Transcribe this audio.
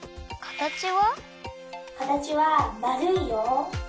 かたちはまるいよ。